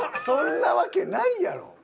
そんなわけないやろ！